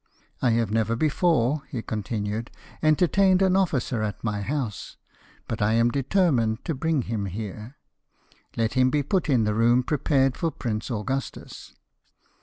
" I have never before," he continued, " entertained an officer at my house ; but I am deter mined to bring him here. Let him be put in the room prepared for Prince Augustus."